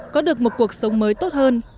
có được một cuộc sống mới tốt hơn